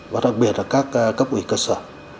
và đặc biệt là các cấp ủy cơ sở